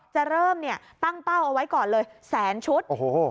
จะเริ่มเนี่ยตั้งเป้าเอาไว้ก่อนเลยแสนชุด